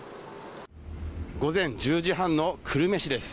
午前１０時半の久留米市です。